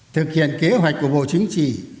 thực hiện kế hoạch của bộ chính trị